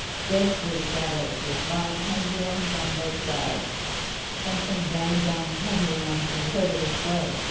Ghostly shadows with vine pendulums on both sides. Something banged down heavily onto the hood of the sled.